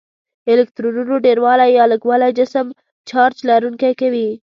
الکترونونو ډیروالی یا لږوالی جسم چارج لرونکی کوي.